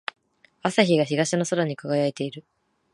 朝日が東の空に輝いている。